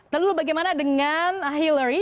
lalu bagaimana dengan hillary